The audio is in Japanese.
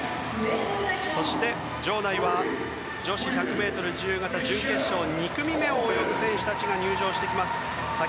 そして、場内は女子１００ｍ自由形準決勝の２組目を泳ぐ選手たちが入場してきます。